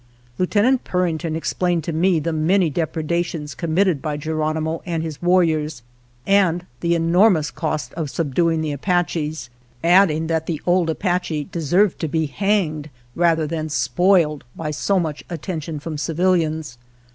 Lieutenant Purington explained to me the many depredations committed by Geronimo and his warriors, and the enormous cost of ••• Xlll \ INTRODUCTORY subduing the Apaches, adding that the old Apache deserved to be hanged rather than spoiled by so much attention from civilians.